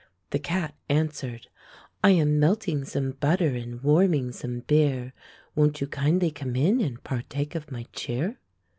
" The cat answered: — "lam melting some butter and warming some beer. Won't you kindly come in and partake of my cheer?